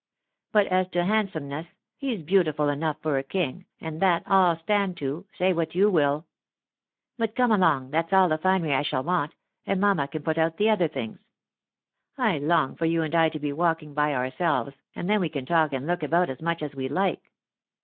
But as to handsome ness, he's beautiful enough for a king, and that I'U stand to, say o 2 228 THE WIDOW MARRIED. ■what you will. But come along — ^that's all the finery I shall want, and matuina can put out the other things. I long for you and I to be walking by ourselves, and then we can talk and look about as much as we like."